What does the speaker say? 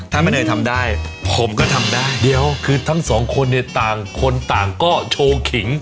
ถ้าแม่เนยทำได้ผมก็ทำได้เดี๋ยวคือทั้งสองคนเนี่ยต่างคนต่างก็โชว์ขิง